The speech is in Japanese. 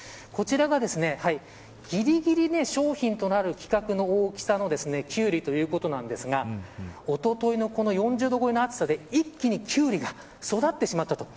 こちらが、ぎりぎり商品となる規格の大きさのキュウリということなんですがおとといの４０度超えの暑さで一気にキュウリが育ってしまったと。